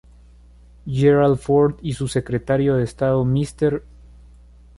Gerald Ford, y su Secretario de Estado Mr.